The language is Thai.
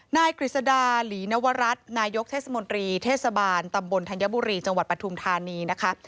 กฤษดาหลีนวรัฐนายกเทศมนตรีเทศบาลตำบลธัญบุรีจังหวัดปฐุมธานีนะคะ